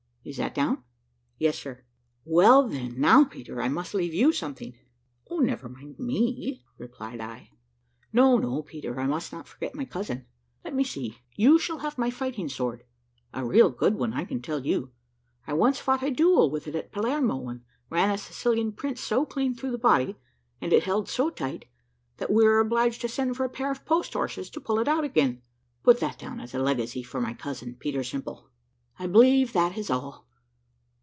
Is that down?" "Yes, sir." "Well then, now, Peter, I must leave you something." "O, never mind me," replied I. "No, no, Peter, I must not forget my cousin. Let me see, you shall have my fighting sword. A real good one, I can tell you. I once fought a duel with it at Palermo, and ran a Sicilian prince so clean through the body, and it held so tight, that we were obliged to send for a pair of post horses to pull it out again. Put that down as a legacy for my cousin, Peter Simple. I believe that is all.